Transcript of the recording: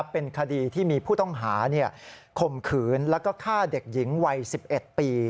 เป็นคดีที่มีผู้ต้องหาข่มขืนแล้วก็ฆ่าเด็กหญิงวัย๑๑ปี